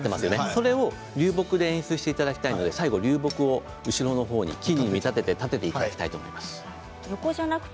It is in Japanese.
それも流木で演出していただきたいので最後、流木を木に見立てて立てていただきたいと思います。